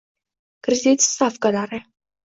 Kredit stavkalari: